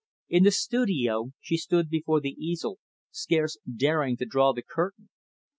In the studio, she stood before the easel, scarce daring to draw the curtain.